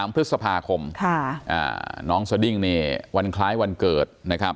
๑๓พฤษภาคมน้องสดิ้งวันคล้ายวันเกิด